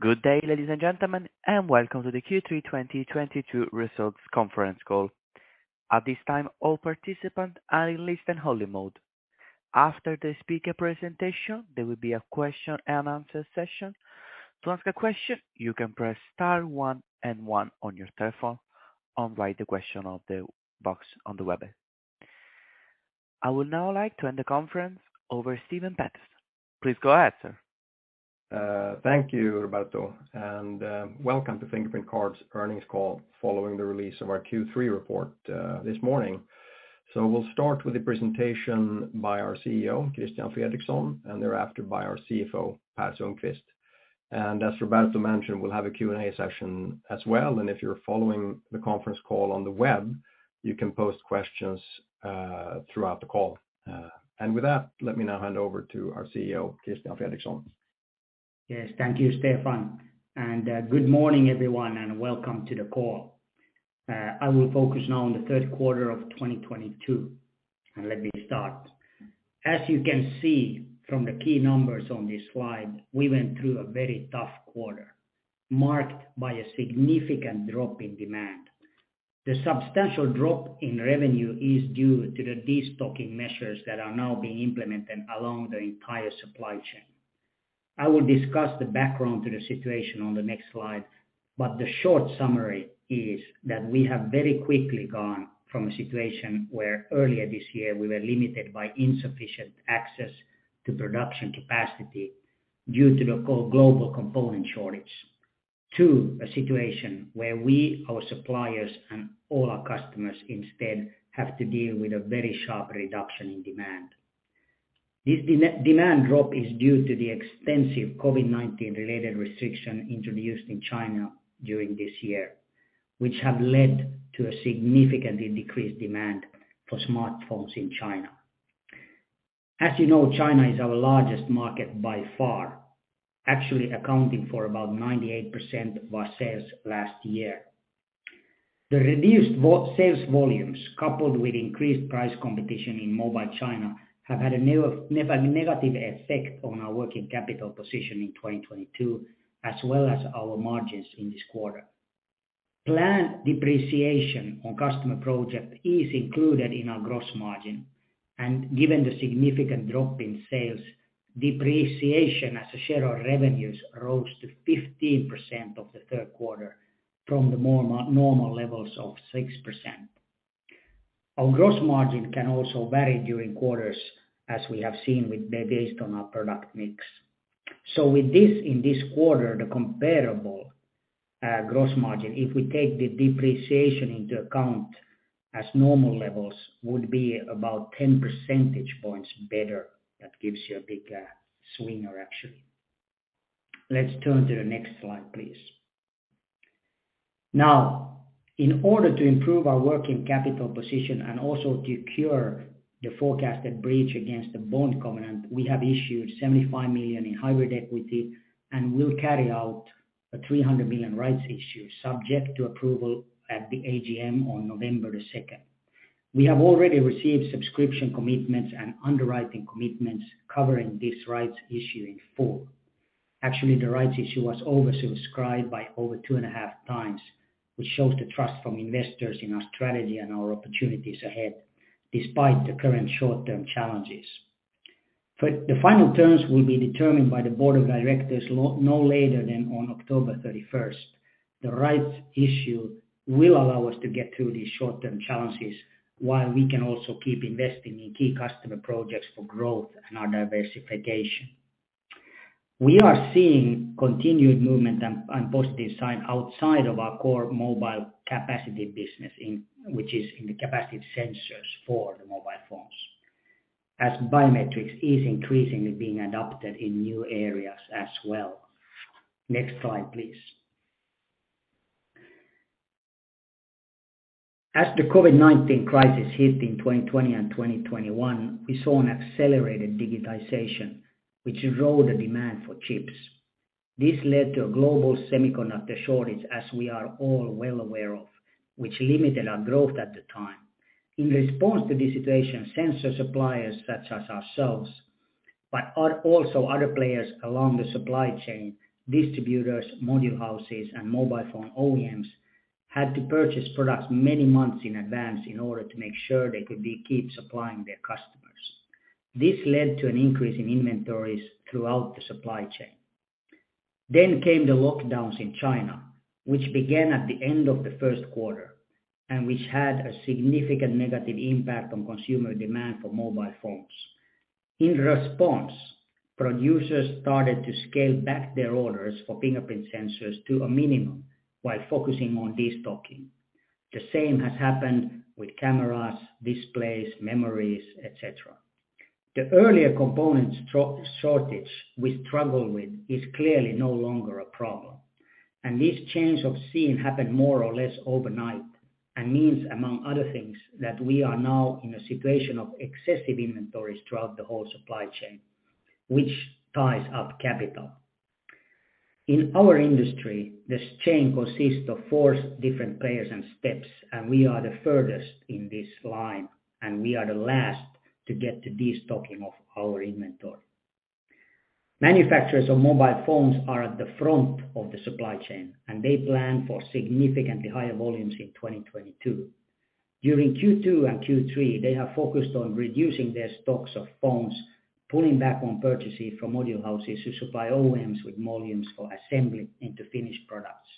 Good day, ladies and gentlemen, and welcome to the Q3 2022 results conference call. At this time, all participants are in Listen-Only Mode. After the speaker presentation, there will be a question and answer session. To ask a question, you can press star one and one on your telephone or write the question in the box on the web. I would now like to hand the conference over to Stefan Pettersson. Please go ahead, sir. Thank you Roberto, and welcome to Fingerprint Cards earnings call following the release of our Q3 report this morning. We'll start with the presentation by our CEO, Christian Fredrikson, and thereafter by our CFO, Per Sundqvist. As Roberto mentioned, we'll have a Q&A session as well, and if you're following the conference call on the web, you can post questions throughout the call. With that, let me now hand over to our CEO, Christian Fredrikson. Yes. Thank you, Stefan. Good morning, everyone, and welcome to the call. I will focus now on the 1/3 1/4 of 2022. Let me start. As you can see from the key numbers on this Slide, we went through a very tough 1/4, marked by a significant drop in demand. The substantial drop in revenue is due to the destocking measures that are now being implemented along the entire supply chain. I will discuss the background to the situation on the next Slide, but the short summary is that we have very quickly gone from a situation where earlier this year we were limited by insufficient access to production capacity due to the global component shortage, to a situation where we, our suppliers, and all our customers instead have to deal with a very sharp reduction in demand. This demand drop is due to the extensive COVID-19 related restrictions introduced in China during this year, which have led to a significantly decreased demand for smartphones in China. As you know, China is our largest market by far, actually accounting for about 98% of our sales last year. The reduced sales volumes, coupled with increased price competition in mobile China, have had a negative effect on our working capital position in 2022, as well as our margins in this 1/4. Planned depreciation on customer projects is included in our gross margin, and given the significant drop in sales, depreciation as a share of revenues rose to 15% of the 1/3 1/4 from the more normal levels of 6%. Our gross margin can also vary during quarters, based on our product mix. With this, in this 1/4, the comparable gross margin, if we take the depreciation into account as normal levels, would be about 10 percentage points better. That gives you a big swinger, actually. Let's turn to the next Slide, please. Now, in order to improve our working capital position and also to cure the forecasted breach against the bond covenant, we have issued 75 million in hybrid equity and will carry out a 300 million rights issue subject to approval at the AGM on November 2. We have already received subscription commitments and underwriting commitments covering this rights issue in full. Actually, the rights issue was oversubscribed by over 2.5 times, which shows the trust from investors in our strategy and our opportunities ahead despite the current Short-Term challenges. The final terms will be determined by the board of directors no later than on October 31st. The rights issue will allow us to get through these Short-Term challenges while we can also keep investing in key customer projects for growth and our diversification. We are seeing continued movement and positive sign outside of our core mobile capacitive business, which is in the capacitive sensors for the mobile phones, as biometrics is increasingly being adopted in new areas as well. Next Slide, please. As the COVID-19 crisis hit in 2020 and 2021, we saw an accelerated digitization, which drove the demand for chips. This led to a global semiconductor shortage, as we are all well aware of, which limited our growth at the time. In response to this situation, sensor suppliers such as ourselves, but also other players along the supply chain, distributors, module houses, and mobile phone OEMs, had to purchase products many months in advance in order to make sure they could keep supplying their customers. This led to an increase in inventories throughout the supply chain. Came the lockdowns in China, which began at the end of the first 1/4, and which had a significant negative impact on consumer demand for mobile phones. In response, producers started to scale back their orders for fingerprint sensors to a minimum while focusing on destocking. The same has happened with cameras, displays, memories, et cetera. The earlier component shortage we struggled with is clearly no longer a problem. This change of scene happened more or less overnight and means, among other things, that we are now in a situation of excessive inventories throughout the whole supply chain, which ties up capital. In our industry, this chain consists of four different players and steps, and we are the furthest in this line, and we are the last to get to destocking of our inventory. Manufacturers of mobile phones are at the front of the supply chain, and they plan for significantly higher volumes in 2022. During Q2 and Q3, they have focused on reducing their stocks of phones, pulling back on purchases from module houses to supply OEMs with volumes for assembly into finished products.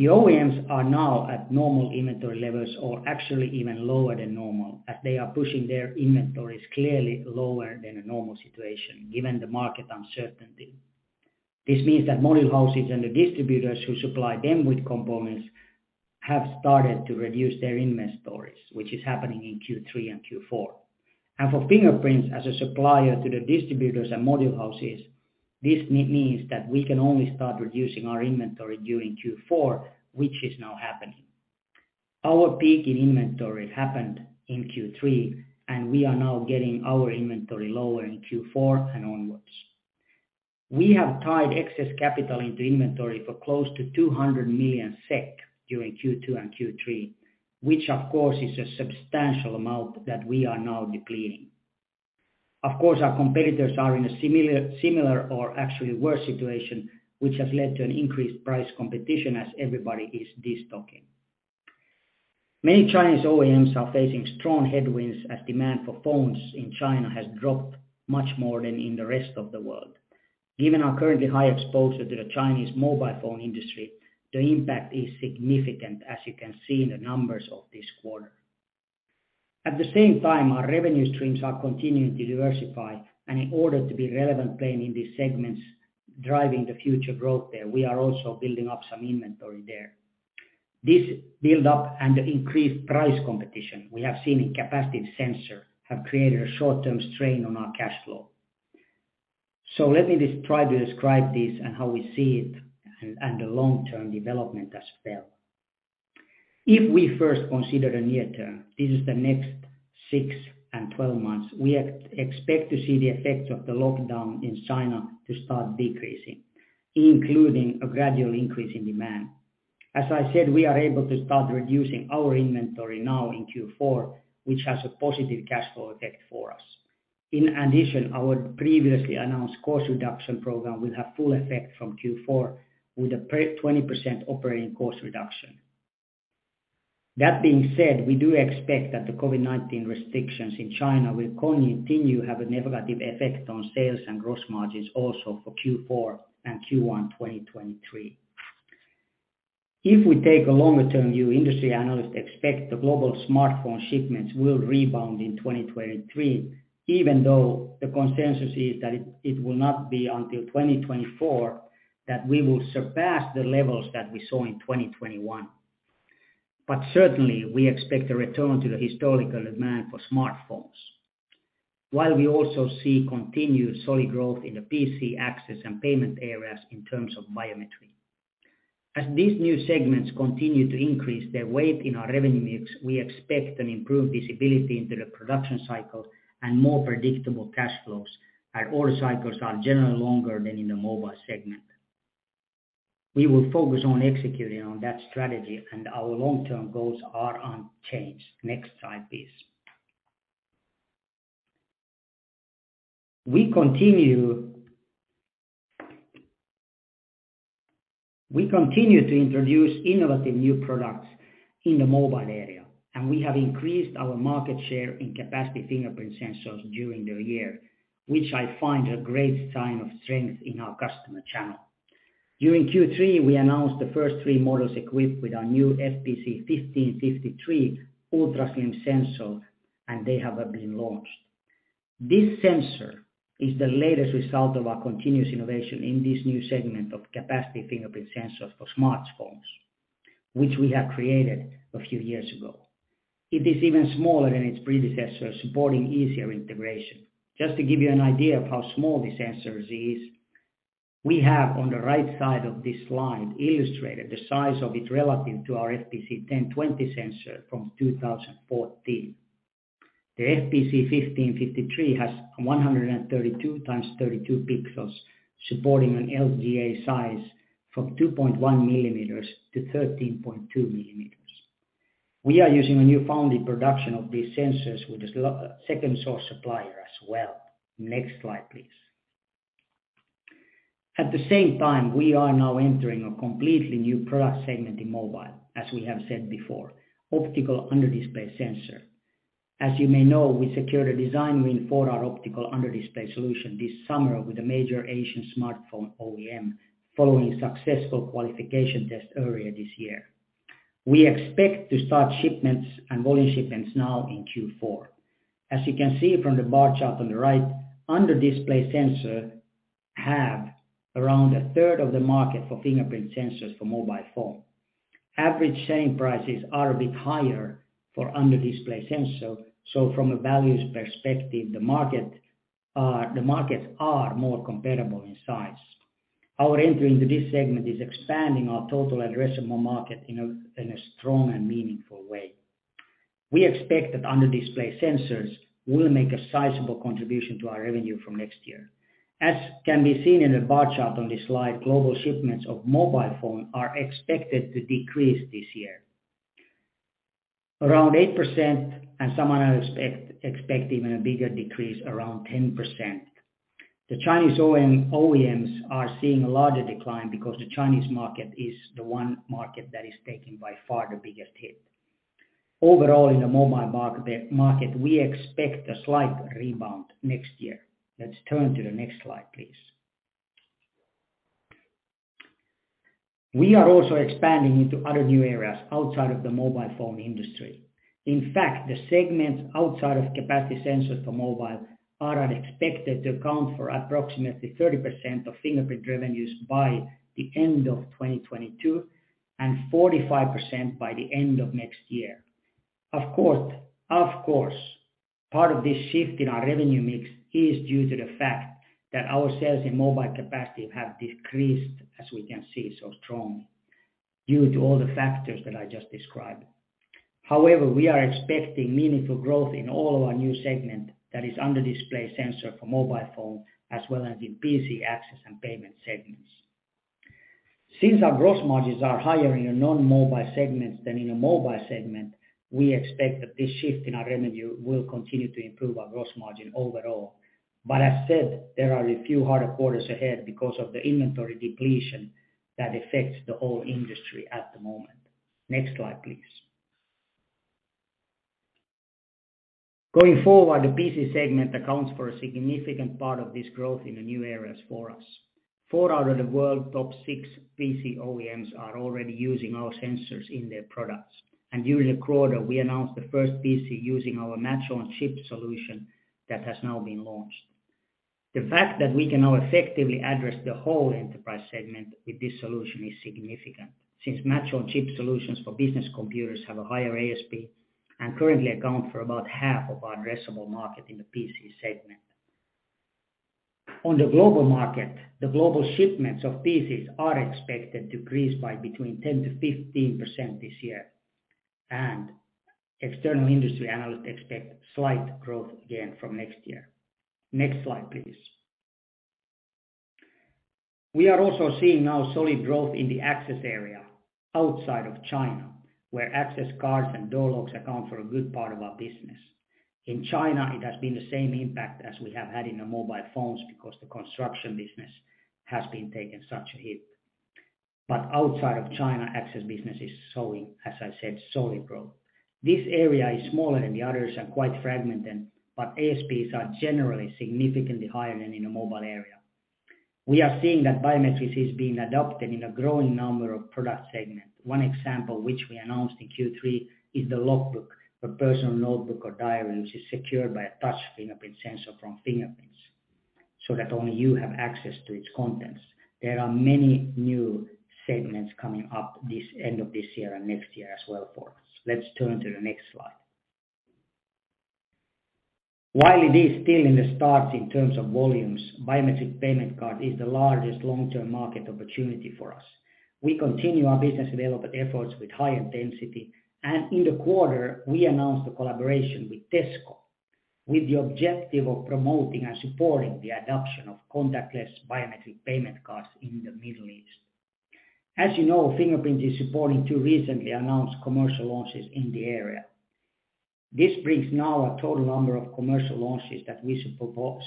The OEMs are now at normal inventory levels or actually even lower than normal, as they are pushing their inventories clearly lower than a normal situation, given the market uncertainty. This means that module houses and the distributors who supply them with components have started to reduce their inventories, which is happening in Q3 and Q4. For Fingerprint, as a supplier to the distributors and module houses, this means that we can only start reducing our inventory during Q4, which is now happening. Our peak in inventory happened in Q3, and we are now getting our inventory lower in Q4 and onwards. We have tied excess capital into inventory for close to 200 million SEK during Q2 and Q3, which of course, is a substantial amount that we are now depleting. Of course, our competitors are in a similar or actually worse situation, which has led to an increased price competition as everybody is destocking. Many Chinese OEMs are facing strong headwinds as demand for phones in China has dropped much more than in the rest of the world. Given our currently high exposure to the Chinese mobile phone industry, the impact is significant, as you can see in the numbers of this 1/4. At the same time, our revenue streams are continuing to diversify, and in order to be relevant player in these segments driving the future growth there, we are also building up some inventory there. This build-up and the increased price competition we have seen in capacitive sensor have created a Short-Term strain on our cash flow. Let me just try to describe this and how we see it and the Long-Term development as well. If we first consider the near term, this is the next 6 and 12 months, we expect to see the effects of the lockdown in China to start decreasing, including a gradual increase in demand. As I said, we are able to start reducing our inventory now in Q4, which has a positive cash flow effect for us. In addition, our previously announced cost reduction program will have full effect from Q4 with a 20% operating cost reduction. That being said, we do expect that the COVID-19 restrictions in China will continue to have a negative effect on sales and gross margins also for Q4 and Q1 2023. If we take a longer-term view, industry analysts expect the global smartphone shipments will rebound in 2023, even though the consensus is that it will not be until 2024 that we will surpass the levels that we saw in 2021. Certainly, we expect a return to the historical demand for smartphones, while we also see continued solid growth in the PC access and payment areas in terms of biometrics. As these new segments continue to increase their weight in our revenue mix, we expect an improved visibility into the production cycle and more predictable cash flows, and order cycles are generally longer than in the mobile segment. We will focus on executing on that strategy, and our Long-Term goals are unchanged. Next Slide, please. We continue. We continue to introduce innovative new products in the mobile area, and we have increased our market share in capacitive fingerprint sensors during the year, which I find a great sign of strength in our customer channel. During Q3, we announced the first 3 models equipped with our new FPC1553 ultra slim sensor, and they have been launched. This sensor is the latest result of our continuous innovation in this new segment of capacitive fingerprint sensors for smartphones, which we have created a few years ago. It is even smaller than its predecessor, supporting easier integration. Just to give you an idea of how small this sensor is, we have on the right side of this Slide illustrated the size of it relative to our FPC1020 sensor from 2014. The FPC1553 has 132 × 32 pixels supporting an LGA size from 2.1 millimeters to 13.2 millimeters. We are using a new foundry production of these sensors with a second source supplier as well. Next Slide, please. At the same time, we are now entering a completely new product segment in mobile, as we have said before, optical under-display sensor. As you may know, we secured a design win for our optical under-display solution this summer with a major Asian smartphone OEM following successful qualification test earlier this year. We expect to start shipments and volume shipments now in Q4. As you can see from the bar chart on the right, under-display sensors have around 1/3 of the market for fingerprint sensors for mobile phone. Average selling prices are a bit higher for under-display sensor, so from a values perspective, the markets are more comparable in size. Our entry into this segment is expanding our total addressable market in a strong and meaningful way. We expect that under-display sensors will make a sizable contribution to our revenue from next year. As can be seen in the bar chart on this Slide, global shipments of mobile phones are expected to decrease this year, around 8% and some analysts expect even a bigger decrease, around 10%. The Chinese OEMs are seeing a larger decline because the Chinese market is the one market that is taking by far the biggest hit. Overall, in the mobile market, we expect a slight rebound next year. Let's turn to the next Slide, please. We are also expanding into other new areas outside of the mobile phone industry. In fact, the segments outside of capacitive sensors for mobile are expected to account for approximately 30% of Fingerprint revenues by the end of 2022, and 45% by the end of next year. Of course, part of this shift in our revenue mix is due to the fact that our sales in mobile capacitive have decreased, as we can see, so strongly due to all the factors that I just described. However, we are expecting meaningful growth in all of our new segment that is under-display sensor for mobile phone, as well as in PC access and payment segments. Since our gross margins are higher in a non-mobile segments than in a mobile segment, we expect that this shift in our revenue will continue to improve our gross margin overall. As said, there are a few harder quarters ahead because of the inventory depletion that affects the whole industry at the moment. Next Slide, please. Going forward, the PC segment accounts for a significant part of this growth in the new areas for us. Four out of the world's top 6 PC OEMs are already using our sensors in their products. During the 1/4, we announced the first PC using our Match-On-Chip solution that has now been launched. The fact that we can now effectively address the whole enterprise segment with this solution is significant, since Match-On-Chip solutions for business computers have a higher ASP and currently account for about 1/2 of our addressable market in the PC segment. On the global market, the global shipments of PCs are expected to increase by between 10%-15% this year, and external industry analysts expect slight growth again from next year. Next Slide, please. We are also seeing now solid growth in the access area outside of China, where access cards and door locks account for a good part of our business. In China, it has been the same impact as we have had in the mobile phones because the construction business has been taking such a hit. Outside of China, access business is showing, as I said, solid growth. This area is smaller than the others and quite fragmented, but ASPs are generally significantly higher than in a mobile area. We are seeing that biometrics is being adopted in a growing number of product segment. One example which we announced in Q3 is the logbook for personal notebook or diary, which is secured by a touch fingerprint sensor from Fingerprints, so that only you have access to its contents. There are many new segments coming up the end of this year and next year as well for us. Let's turn to the next Slide. While it is still in the start in terms of volumes, biometric payment card is the largest Long-Term market opportunity for us. We continue our business development efforts with high intensity, and in the 1/4, we announced a collaboration with TASC, with the objective of promoting and supporting the adoption of contactless biometric payment cards in the Middle East. As you know, Fingerprint is supporting 2 recently announced commercial launches in the area. This brings now a total number of commercial launches that we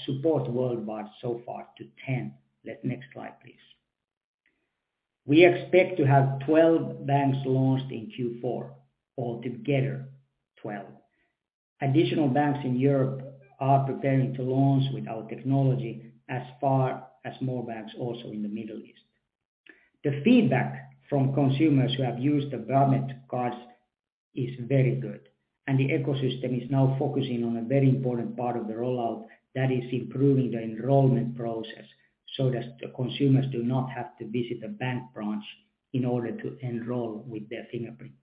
support worldwide so far to 10. The next Slide, please. We expect to have 12 banks launched in Q4, all together 12. Additional banks in Europe are preparing to launch with our technology as well as more banks also in the Middle East. The feedback from consumers who have used the biometric cards is very good, and the ecosystem is now focusing on a very important part of the rollout that is improving the enrollment process so that the consumers do not have to visit a bank branch in order to enroll with their fingerprint.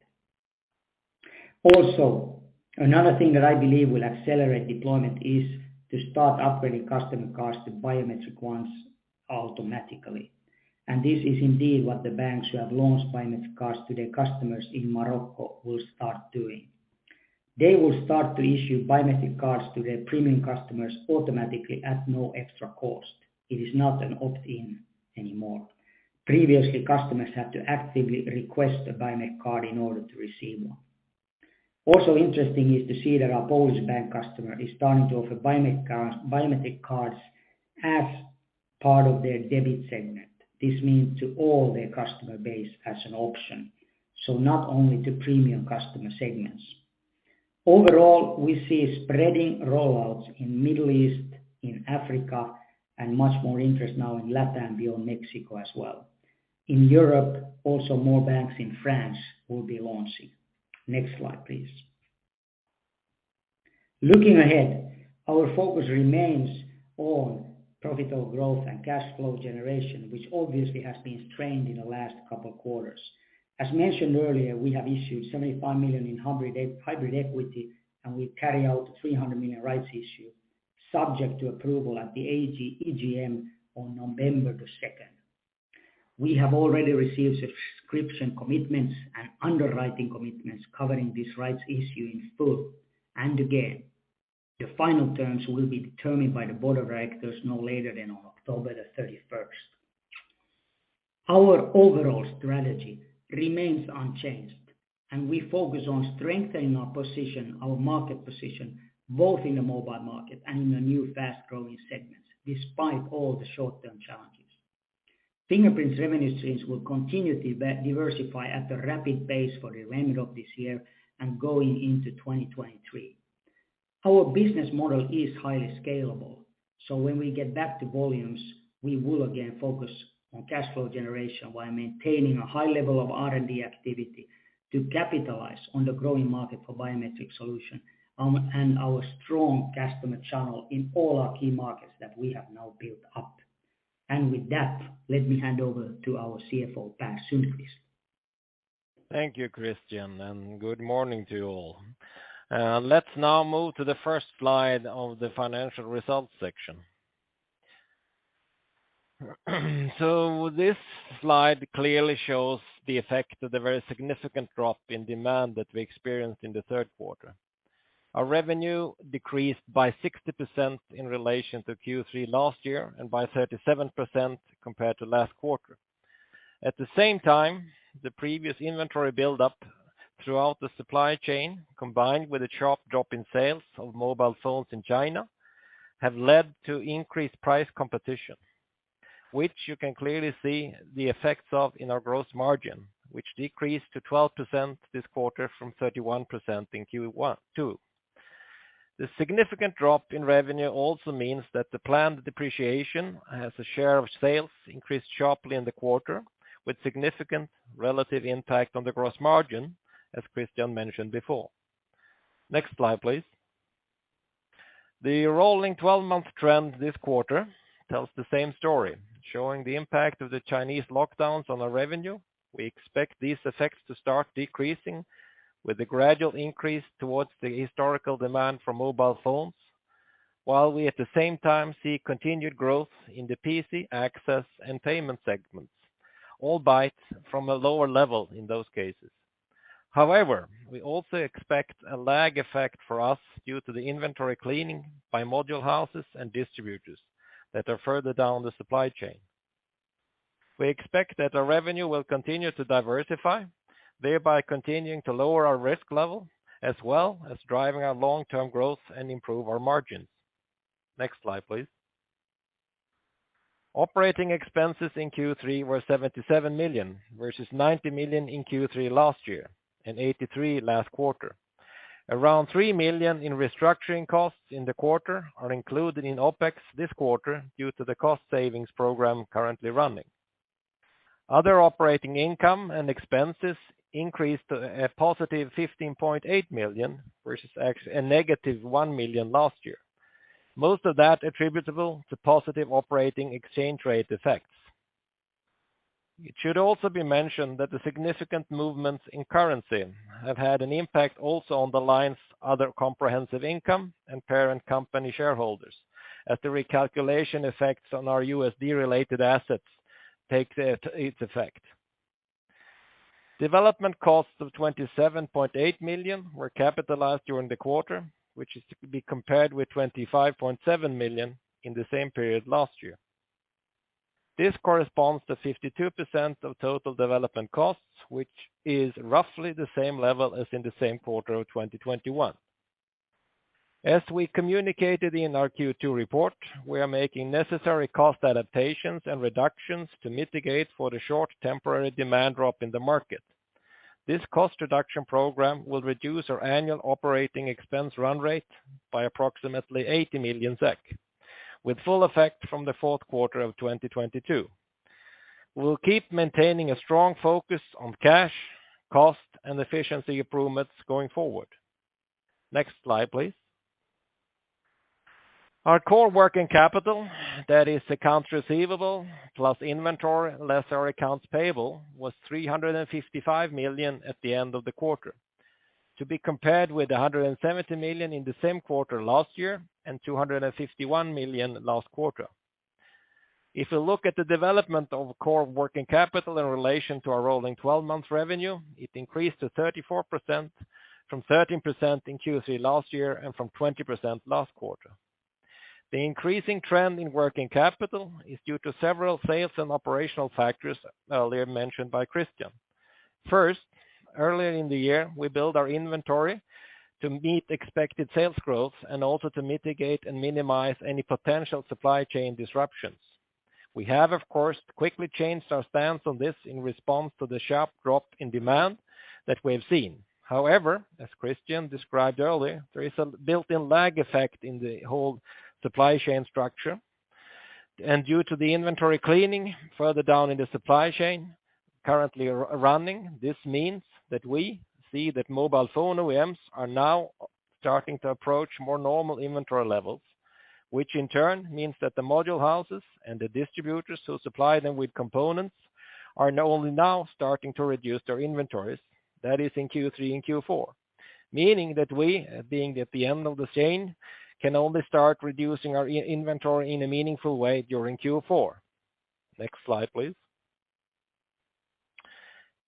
Also, another thing that I believe will accelerate deployment is to start upgrading customer cards to biometric ones automatically. This is indeed what the banks who have launched biometric cards to their customers in Morocco will start doing. They will start to issue biometric cards to their premium customers automatically at no extra cost. It is not an opt-in anymore. Previously, customers had to actively request a biometric card in order to receive one. Also interesting is to see that our Polish bank customer is starting to offer biometric cards as part of their debit segment. This means to all their customer base as an option, so not only to premium customer segments. Overall, we see spreading rollouts in Middle East, in Africa, and much more interest now in Latin America and beyond Mexico as well. In Europe, also more banks in France will be launching. Next Slide, please. Looking ahead, our focus remains on profitable growth and cash flow generation, which obviously has been strained in the last couple of quarters. As mentioned earlier, we have issued 75 million in hybrid equity, and we carry out 300 million rights issue subject to approval at the EGM on November 2. We have already received subscription commitments and underwriting commitments covering this rights issue in full. Again, the final terms will be determined by the board of directors no later than on October 31. Our overall strategy remains unchanged, and we focus on strengthening our position, our market position, both in the mobile market and in the new fast-growing segments, despite all the Short-Term challenges. Fingerprint's revenue streams will continue to diversify at a rapid pace for the remainder of this year and going into 2023. Our business model is highly scalable, so when we get back to volumes, we will again focus on cash flow generation while maintaining a high level of R&D activity to capitalize on the growing market for biometric solution, and our strong customer channel in all our key markets that we have now built up. With that, let me hand over to our CFO, Per Sundqvist. Thank you, Christian, and good morning to you all. Let's now move to the first Slide of the financial results section. This Slide clearly shows the effect of the very significant drop in demand that we experienced in the 1/3 1/4. Our revenue decreased by 60% in relation to Q3 last year and by 37% compared to last 1/4. At the same time, the previous inventory buildup throughout the supply chain, combined with a sharp drop in sales of mobile phones in China, have led to increased price competition, which you can clearly see the effects of in our gross margin, which decreased to 12% this 1/4 from 31% in Q1 2022. The significant drop in revenue also means that the planned depreciation as a share of sales increased sharply in the 1/4, with significant relative impact on the gross margin, as Christian mentioned before. Next Slide, please. The rolling 12-month trend this 1/4 tells the same story, showing the impact of the Chinese lockdowns on our revenue. We expect these effects to start decreasing with a gradual increase towards the historical demand for mobile phones, while we, at the same time, see continued growth in the PC, access, and payment segments, albeit from a lower level in those cases. However, we also expect a lag effect for us due to the inventory cleaning by module houses and distributors that are further down the supply chain. We expect that our revenue will continue to diversify, thereby continuing to lower our risk level, as well as driving our Long-Term growth and improve our margins. Next Slide, please. Operating expenses in Q3 were 77 million, versus 90 million in Q3 last year and 83 million last 1/4. Around 3 million in restructuring costs in the 1/4 are included in OpEx this 1/4 due to the cost savings program currently running. Other operating income and expenses increased to a positive 15.8 million, versus a negative 1 million last year. Most of that attributable to positive operating exchange rate effects. It should also be mentioned that the significant movements in currency have had an impact also on the line's other comprehensive income and parent company shareholders, as the recalculation effects on our USD-related assets take its effect. Development costs of 27.8 million were capitalized during the 1/4, which is to be compared with 25.7 million in the same period last year. This corresponds to 52% of total development costs, which is roughly the same level as in the same 1/4 of 2021. As we communicated in our Q2 report, we are making necessary cost adaptations and reductions to mitigate for the short temporary demand drop in the market. This cost reduction program will reduce our annual operating expense run rate by approximately 80 million SEK, with full effect from the fourth 1/4 of 2022. We'll keep maintaining a strong focus on cash, cost, and efficiency improvements going forward. Next Slide, please. Our core working capital, that is accounts receivable plus inventory less our accounts payable, was 355 million at the end of the 1/4. To be compared with 170 million in the same 1/4 last year and 251 million last 1/4. If you look at the development of core working capital in relation to our rolling twelve-month revenue, it increased to 34% from 13% in Q3 last year and from 20% last 1/4. The increasing trend in working capital is due to several sales and operational factors earlier mentioned by Christian. First, earlier in the year, we built our inventory to meet expected sales growth and also to mitigate and minimize any potential supply chain disruptions. We have, of course, quickly changed our stance on this in response to the sharp drop in demand that we have seen. However, as Christian described earlier, there is a built-in lag effect in the whole supply chain structure. Due to the inventory cleaning further down in the supply chain currently running, this means that we see that mobile phone OEMs are now starting to approach more normal inventory levels, which in turn means that the module houses and the distributors who supply them with components are only now starting to reduce their inventories. That is in Q3 and Q4, meaning that we, being at the end of the chain, can only start reducing our inventory in a meaningful way during Q4. Next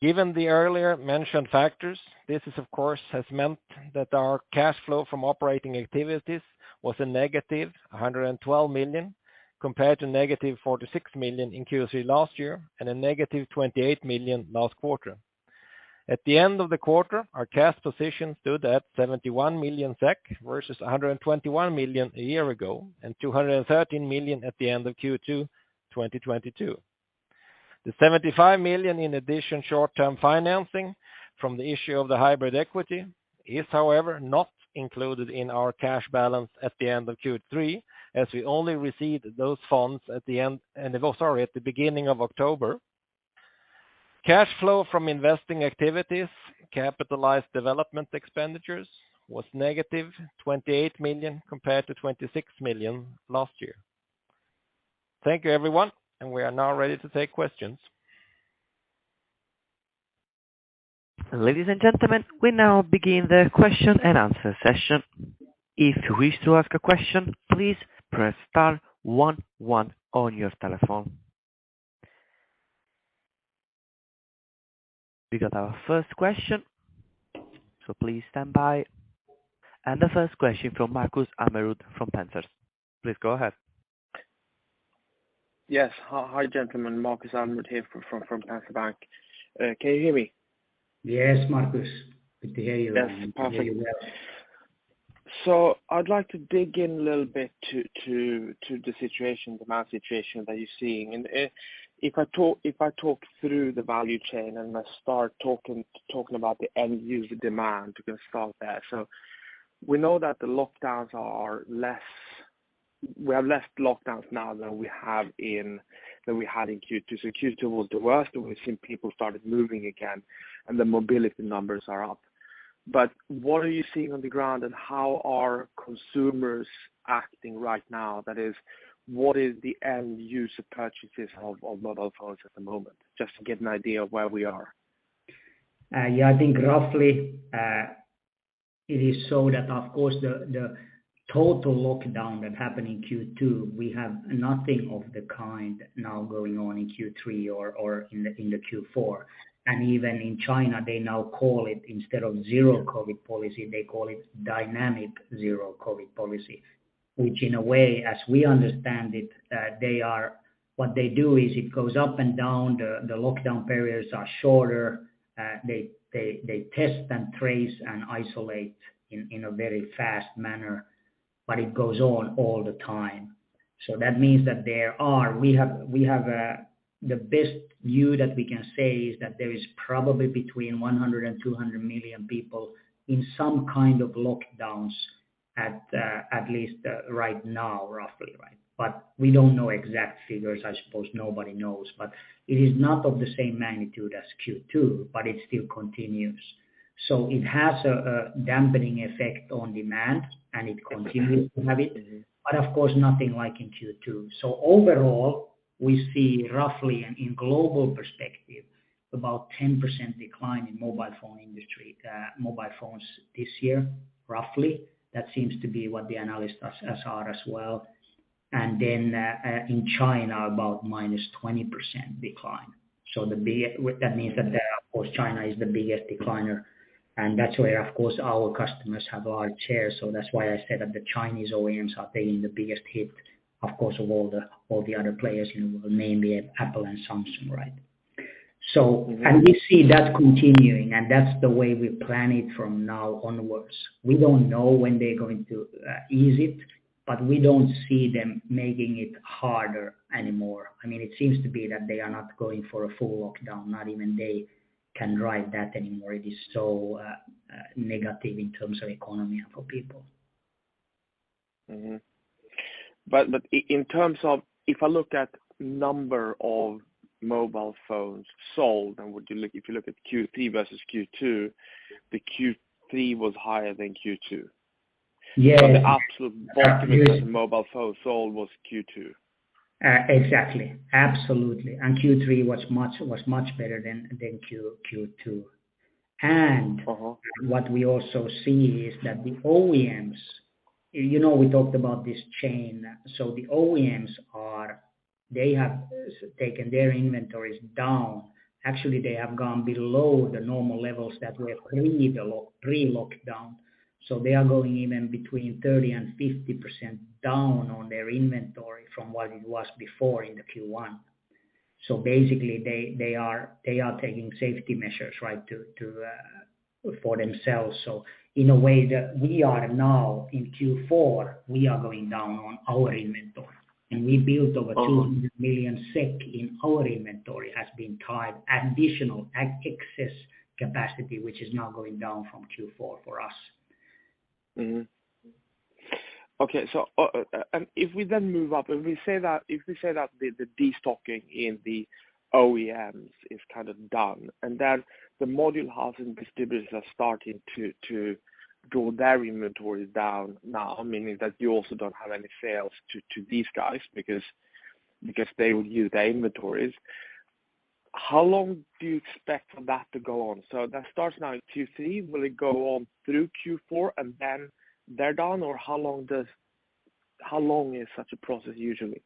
Slide, please. Given the earlier mentioned factors, this of course has meant that our cash flow from operating activities was -112 million compared to -46 million in Q3 last year and -28 million last 1/4. At the end of the 1/4, our cash position stood at 71 million SEK versus 121 million a year ago and 213 million at the end of Q2 2022. The 75 million in additional Short-Term financing from the issue of the hybrid equity is, however, not included in our cash balance at the end of Q3 as we only received those funds at the beginning of October. Cash flow from investing activities, capitalized development expenditures, was -28 million compared to 26 million last year. Thank you everyone, and we are now ready to take questions. Ladies and gentlemen, we now begin the question and answer session. If you wish to ask a question, please press star one one on your telephone. We got our first question, so please stand by. The first question from Markus Almerud from Pareto. Please go ahead. Yes. Hi, gentlemen. Markus Almerud here from Pareto Securities. Can you hear me? Yes, Markus. Good to hear you. Yes. Perfect. Hear you well. I'd like to dig in a little bit to the situation, demand situation that you're seeing. If I talk through the value chain and I start talking about the end user demand, we can start there. We know that the lockdowns are less. We have less lockdowns now than we had in Q2. Q2 was the worst, and we've seen people started moving again, and the mobility numbers are up. What are you seeing on the ground, and how are consumers acting right now? That is, what is the end user purchases of mobile phones at the moment? Just to get an idea of where we are. Yeah, I think roughly, it is so that of course the total lockdown that happened in Q2, we have nothing of the kind now going on in Q3 or in the Q4. Even in China, they now call it instead of zero-COVID policy, they call it dynamic zero-COVID policy, which in a way, as we understand it, what they do is it goes up and down, the lockdown periods are shorter. They test and trace and isolate in a very fast manner, but it goes on all the time. That means that we have the best view that we can say is that there is probably between 100 and 200 million people in some kind of lockdowns at least right now, roughly, right. We don't know exact figures. I suppose nobody knows, but it is not of the same magnitude as Q2, but it still continues. It has a dampening effect on demand, and it continues to have it, but of course nothing like in Q2. Overall, we see roughly in global perspective, about 10% decline in mobile phone industry, mobile phones this year, roughly. That seems to be what the analysts are saying as well. Then, in China, about -20% decline. That means that, of course, China is the biggest decliner, and that's where, of course, our customers have a large share. That's why I said that the Chinese OEMs are taking the biggest hit, of course, of all the other players, you know, mainly Apple and Samsung, right. We see that continuing, and that's the way we plan it from now onwards. We don't know when they're going to ease it, but we don't see them making it harder anymore. I mean, it seems to be that they are not going for a full lockdown. Not even they can drive that anymore. It is so negative in terms of economy and for people. In terms of if I look at number of mobile phones sold, if you look at Q3 versus Q2, the Q3 was higher than Q2. Yeah. The absolute volume of mobile phones sold was Q2. Exactly. Absolutely. Q3 was much better than Q2. Uh-huh. What we also see is that the OEMs, you know, we talked about this chain. The OEMs are; they have taken their inventories down. Actually, they have gone below the normal levels that we have pre-lockdown. They are going even between 30%-50% down on their inventory from what it was before in the Q1. Basically, they are taking safety measures, right, to for themselves. In a way that we are now in Q4, we are going down on our inventory, and we built over 200 million SEK in our inventory has been tied additional excess capacity, which is now going down from Q4 for us. Mm-hmm. Okay. If we then move up and we say that, if we say that the destocking in the OEMs is kind of done, and then the module housing distributors are starting to draw their inventory down now, meaning that you also don't have any sales to these guys because they will use their inventories. How long do you expect that to go on? That starts now in Q3. Will it go on through Q4 and then they're done? Or how long is such a process usually?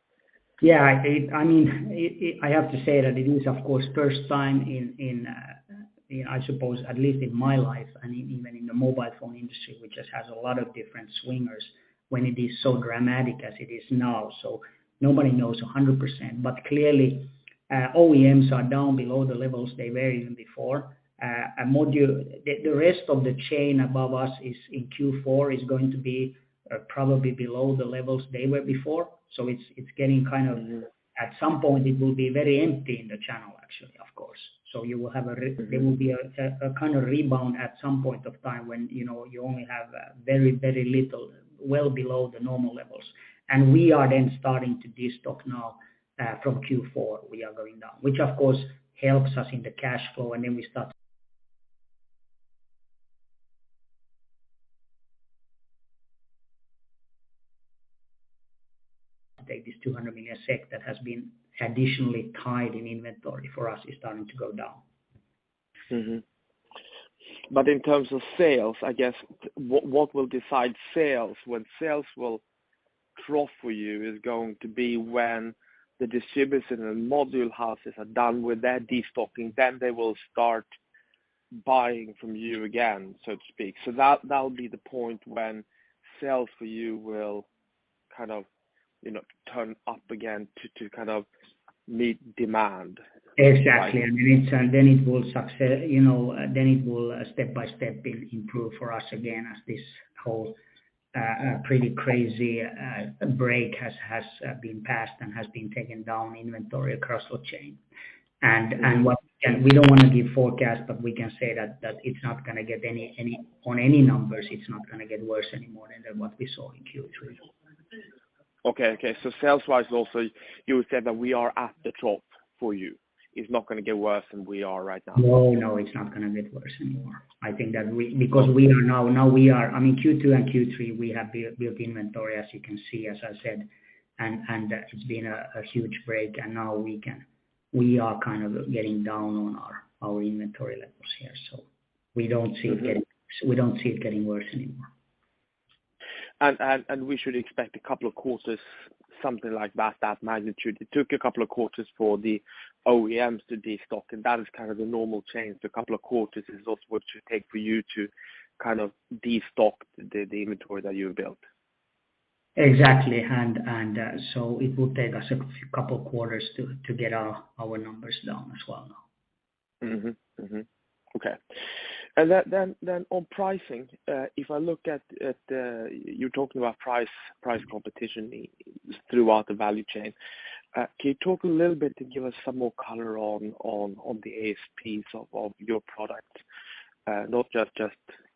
I mean, it is of course first time in I suppose at least in my life and even in the mobile phone industry, which just has a lot of different swings when it is so dramatic as it is now. Nobody knows 100%. Clearly, OEMs are down below the levels they were even before. The rest of the chain above us in Q4 is going to be probably below the levels they were before. It's getting kind of. At some point it will be very empty in the channel actually, of course. You will have a re- Mm-hmm. There will be a kind of rebound at some point of time when, you know, you only have very little, well below the normal levels. We are then starting to destock now, from Q4 we are going down. Which of course helps us in the cash flow. Take this 200 million SEK that has been additionally tied in inventory for us is starting to go down. In terms of sales, I guess, what will decide sales? When sales will trough for you is going to be when the distributors and the module houses are done with their de-stocking, then they will start buying from you again, so to speak. That'll be the point when sales for you will kind of, you know, turn up again to kind of meet demand. Exactly. Then it will, you know, step by step improve for us again as this whole pretty crazy brake has passed and inventory has been taken down across the chain. We don't wanna give forecast, but we can say that it's not gonna get any worse on any numbers anymore than what we saw in Q3. Okay. Sales wise also you would say that we are at the trough for you? It's not gonna get worse than we are right now. No, no, it's not gonna get worse anymore. I think that because we are now. I mean, Q2 and Q3 we have built inventory as you can see, as I said, and it's been a huge break and now we are kind of getting down on our inventory levels here. We don't see it getting. Mm-hmm. We don't see it getting worse anymore. We should expect a couple of quarters, something like that magnitude. It took a couple of quarters for the OEMs to de-stock, and that is kind of the normal change. The couple of quarters is also what it should take for you to kind of de-stock the inventory that you built. Exactly. It will take us a couple quarters to get our numbers down as well now. Okay. Then on pricing, if I look at, you're talking about price competition throughout the value chain. Can you talk a little bit to give us some more color on the ASPs of your product? Not just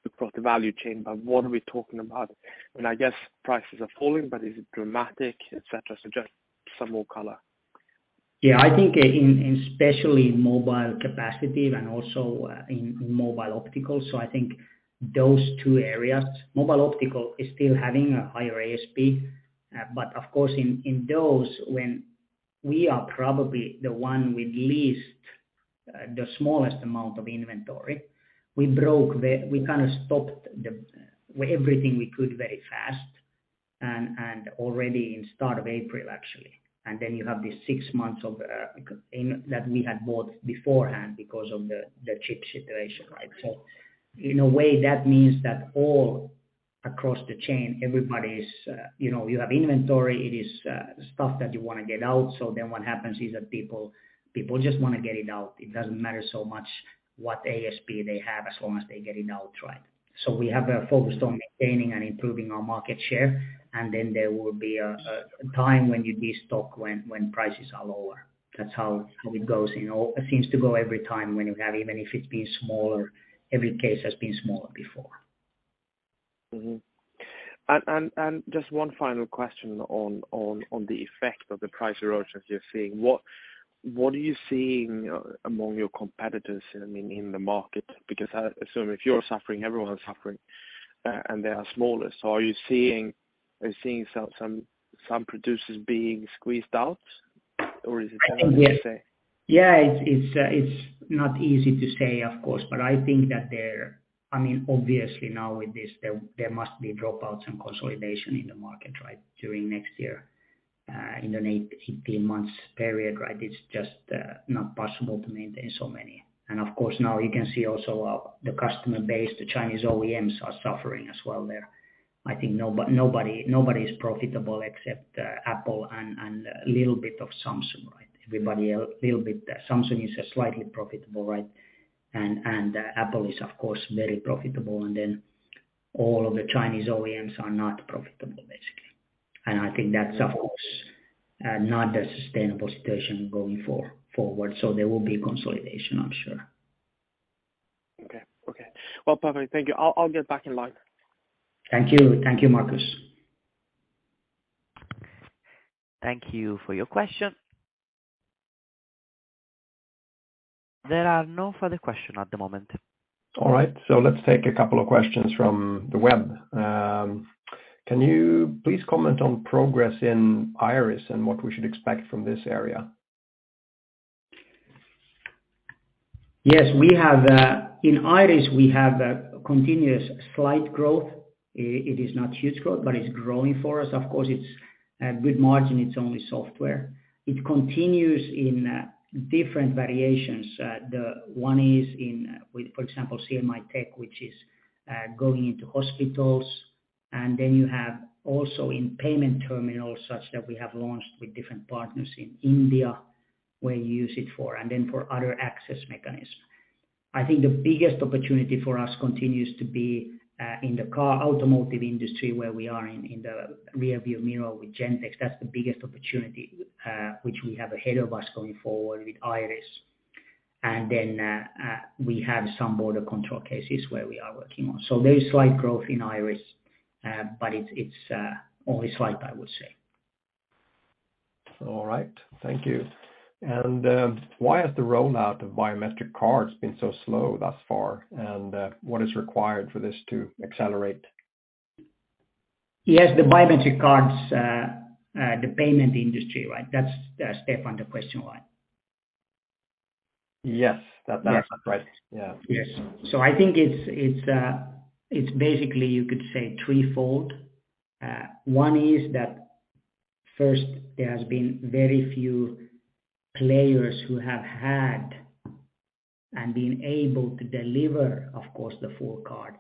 across the value chain, but what are we talking about? I guess prices are falling, but is it dramatic, et cetera? Just some more color. Yeah. I think in especially mobile capacitive and also in mobile optical, so I think those 2 areas. Mobile optical is still having a higher ASP. But of course in those when we are probably the one with least, the smallest amount of inventory. We kind of stopped, with everything we could very fast and already in start of April actually. Then you have these 6 months of inventory that we had bought beforehand because of the chip situation, right? In a way that means that all across the chain, everybody's, you know, you have inventory. It is stuff that you wanna get out. Then what happens is that people just wanna get it out. It doesn't matter so much what ASP they have as long as they get it out, right? We have focused on maintaining and improving our market share. There will be a time when you de-stock when prices are lower. That's how it goes. You know, it seems to go every time when you have, even if it's been smaller, every case has been smaller before. Mm-hmm. Just one final question on the effect of the price erosion you're seeing. What are you seeing among your competitors, I mean, in the market? Because I assume if you're suffering, everyone's suffering, and they are smaller. Are you seeing some producers being squeezed out? Or is it too early to say? Yeah. It's not easy to say of course, but I think that I mean, obviously now with this there must be dropouts and consolidation in the market, right? During next year, in an 8-15 months period, right? It's just not possible to maintain so many. Of course now you can see also the customer base, the Chinese OEMs are suffering as well there. I think nobody is profitable except Apple and a little bit of Samsung, right? Mm-hmm. Everybody else little bit. Samsung is slightly profitable, right? Apple is of course very profitable. Then all of the Chinese OEMs are not profitable, basically. I think that's of course not a sustainable situation going forward. There will be consolidation, I'm sure. Okay. Well, perfect. Thank you. I'll get back in line. Thank you. Thank you, Markus. Thank you for your question. There are no further questions at the moment. All right. Let's take a couple of questions from the web. Can you please comment on progress in Iris and what we should expect from this area? Yes, we have in Iris a continuous slight growth. It is not huge growth, but it's growing for us. Of course, it's a good margin, it's only software. It continues in different variations. The one is in, with, for example, CMITech, which is going into hospitals. Then you have also in payment terminals such that we have launched with different partners in India, where you use it for, and then for other access mechanisms. I think the biggest opportunity for us continues to be in the car automotive industry, where we are in the rearview mirror with Gentex. That's the biggest opportunity which we have ahead of us going forward with Iris. Then we have some border control cases where we are working on. There is slight growth in iris, but it's only slight, I would say. All right. Thank you. Why has the rollout of biometric cards been so slow thus far? What is required for this to accelerate? Yes, the biometric cards, the payment industry, right? That's Stefan, the question was. Yes. That's right. Yeah. Yes. I think it's basically, you could say, 3fold. One is that first, there has been very few players who have had and been able to deliver, of course, the full card.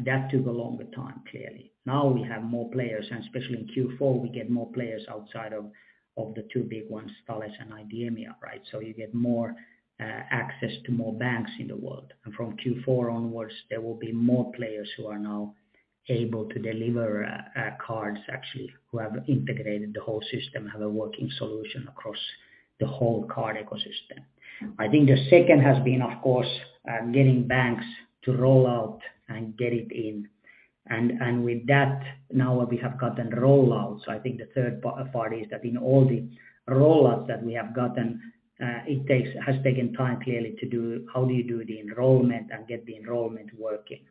That took a longer time, clearly. Now we have more players, and especially in Q4, we get more players outside of the 2 big ones, Thales and IDEMIA, right? You get more access to more banks in the world. From Q4 onwards, there will be more players who are now able to deliver cards, actually, who have integrated the whole system, have a working solution across the whole card ecosystem. I think the second has been, of course, getting banks to roll out and get it in. With that, now we have gotten rollouts. I think the 1/3 part is that in all the rollouts that we have gotten, it has taken time, clearly, to do the enrollment and get the enrollment working.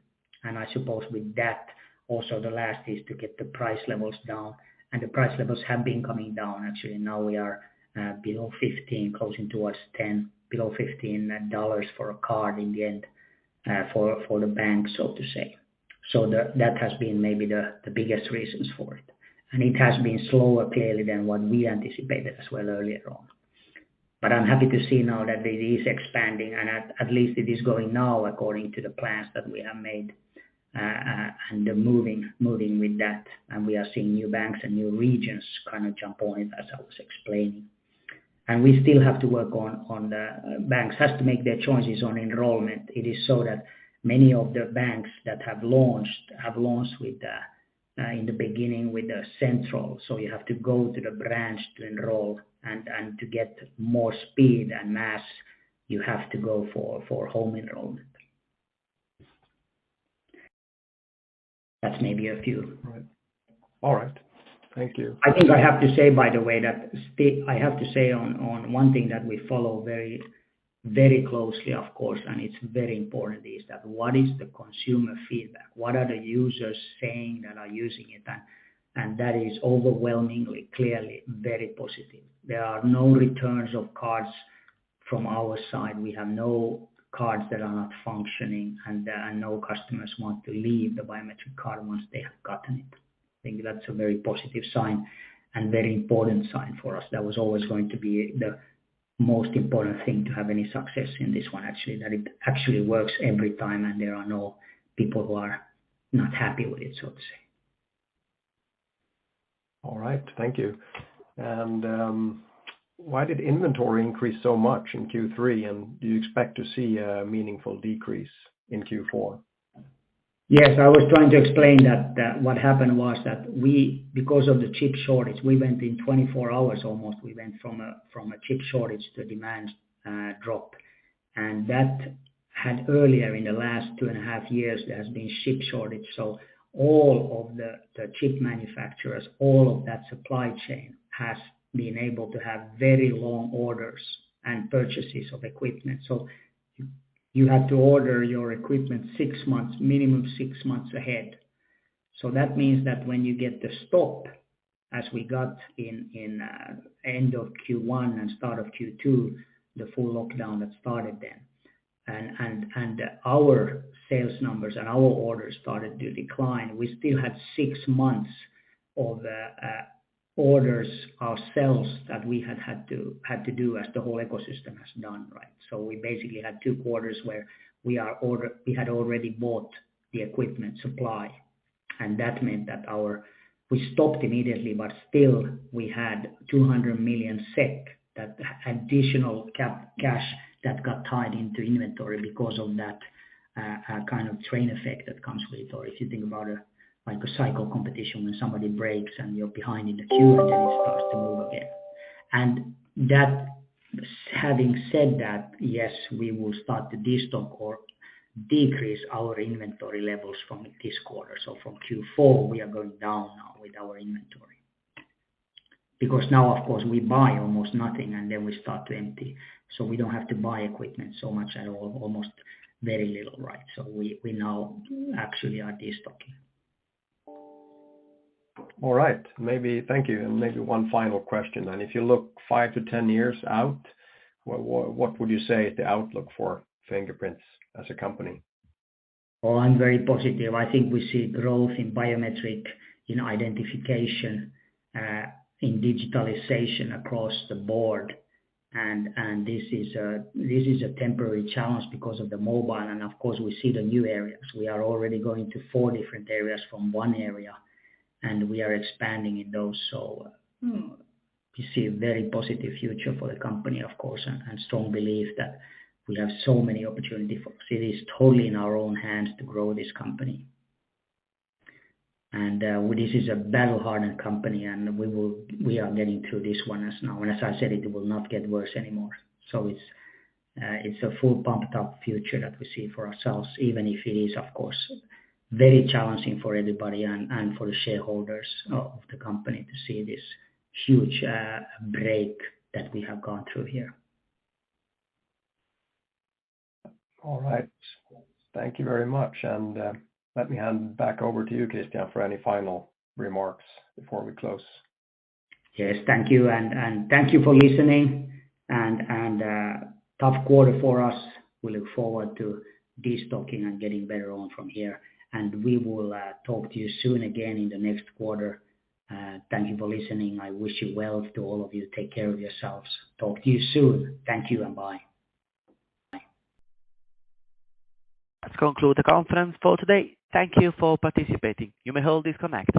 I suppose with that, also the last is to get the price levels down, and the price levels have been coming down. Actually, now we are below $15, closing towards $10, below $15 for a card in the end, for the bank, so to say. That has been maybe the biggest reasons for it. It has been slower, clearly, than what we anticipated as well earlier on. I'm happy to see now that it is expanding, and at least it is going now according to the plans that we have made, and they're moving with that. We are seeing new banks and new regions kind of jump on it, as I was explaining. We still have to work on the banks. Banks has to make their choices on enrollment. It is so that many of the banks that have launched have launched with the in the beginning with the central. You have to go to the branch to enroll, and to get more speed and mass, you have to go for home enrollment. That's maybe a few. All right. Thank you. I think I have to say, by the way, that I have to say on one thing that we follow very, very closely, of course, and it's very important, is that what is the consumer feedback? What are the users saying that are using it? That is overwhelmingly, clearly very positive. There are no returns of cards from our side. We have no cards that are not functioning, and there are no customers who want to leave the biometric card once they have gotten it. I think that's a very positive sign and very important sign for us. That was always going to be the most important thing to have any success in this one, actually, that it actually works every time and there are no people who are not happy with it, so to say. All right. Thank you. Why did inventory increase so much in Q3, and do you expect to see a meaningful decrease in Q4? Yes, I was trying to explain that what happened was that we, because of the chip shortage, we went in 24 hours almost, we went from a chip shortage, the demand dropped. That had earlier in the last 2.5 years, there has been chip shortage. All of the chip manufacturers, all of that supply chain has been able to have very long orders and purchases of equipment. You have to order your equipment 6 months, minimum 6 months ahead. That means that when you get the stop, as we got in end of Q1 and start of Q2, the full lockdown that started then, and our sales numbers and our orders started to decline. We still had 6 months of orders ourselves that we had to do as the whole ecosystem has done, right? We basically had 2 quarters where we had already bought the equipment supply, and that meant that we stopped immediately, but still we had 200 million SEK, that additional cash that got tied into inventory because of that, kind of train effect that comes with or if you think about a, like a cycle competition when somebody breaks and you're behind in the queue and then it starts to move again. Having said that, yes, we will start to destock or decrease our inventory levels from this 1/4. From Q4, we are going down now with our inventory. Because now, of course, we buy almost nothing and then we start to empty. We don't have to buy equipment so much at all, almost very little, right? We now actually are destocking. All right. Thank you. Maybe one final question then. If you look 5-10 years out, what would you say the outlook for Fingerprint as a company? Oh, I'm very positive. I think we see growth in biometric, in identification, in digitalization across the board. This is a temporary challenge because of the mobile, and of course, we see the new areas. We are already going to four different areas from one area, and we are expanding in those. We see a very positive future for the company, of course, and strong belief that we have so many opportunities. It is totally in our own hands to grow this company. This is a battle-hardened company, and we are getting through this one as now. As I said, it will not get worse anymore. It's a fully pumped up future that we see for ourselves, even if it is, of course, very challenging for everybody and for the shareholders of the company to see this huge break that we have gone through here. All right. Thank you very much. Let me hand back over to you, Christian, for any final remarks before we close. Yes. Thank you. Thank you for listening. Tough 1/4 for us. We look forward to destocking and getting better on from here. We will talk to you soon again in the next 1/4. Thank you for listening. I wish you well to all of you. Take care of yourselves. Talk to you soon. Thank you, and bye. That concludes the conference for today. Thank you for participating. You may all disconnect.